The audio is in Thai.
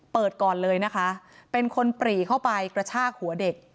ก่อนเลยนะคะเป็นคนปรีเข้าไปกระชากหัวเด็ก